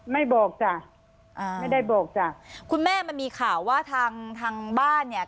ไม่บอกจ้ะอ่าไม่ได้บอกจ้ะคุณแม่มันมีข่าวว่าทางทางบ้านเนี่ย